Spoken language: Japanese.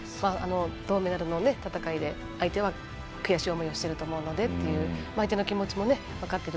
銅メダルも戦いで相手は悔しい思いをしてると思うのでっていう相手の気持ちも分かっている。